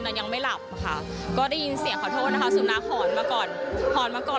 แต่ยังไม่หลับค่ะก็ได้ยินเสียงขอโทษนะคะสุนัขหอนมาก่อน